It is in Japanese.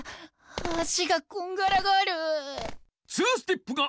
足がこんがらがる。